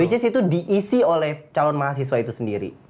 regis itu diisi oleh calon mahasiswa itu sendiri